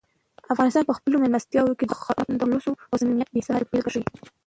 افغانان په خپلو مېلمستیاوو کې د "خلوص" او "صمیمیت" بې سارې بېلګې ښیي.